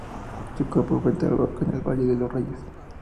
Su cuerpo fue enterrado en el Valle de los Reyes.